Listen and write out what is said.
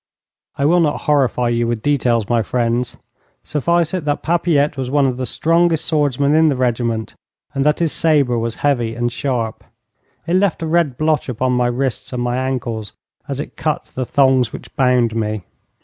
I will not horrify you with details, my friends. Suffice it that Papilette was one of the strongest swordsmen in the regiment, and that his sabre was heavy and sharp. It left a red blotch upon my wrists and my ankles, as it cut the thongs which bound me.